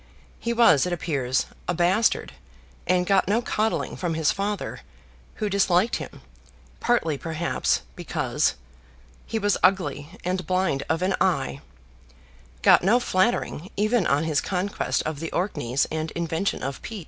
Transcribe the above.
He was, it appears, a bastard; and got no coddling from his father, who disliked him, partly perhaps, because "he was ugly and blind of an eye," got no flattering even on his conquest of the Orkneys and invention of peat.